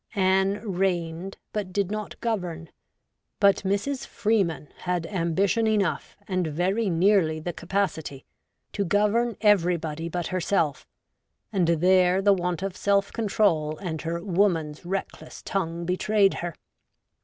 Anne reigned, but did not govern, but ' Mrs. Free man ' had ambition enough, and very nearly the capacity, to govern everybody but herself; and there the want of self control and her woman's reck less tongue betrayed her.